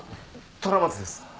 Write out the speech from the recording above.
虎松です。